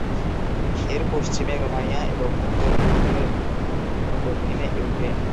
এর পশ্চিমে রোমানিয়া এবং উত্তর, পূর্ব ও দক্ষিণে ইউক্রেন।